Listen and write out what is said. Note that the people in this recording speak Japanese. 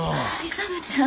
勇ちゃん。